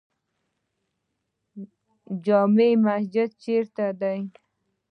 جامع مسجد چیرته دی؟